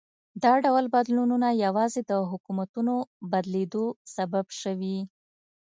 دا ډول بدلونونه یوازې د حکومتونو بدلېدو سبب شوي.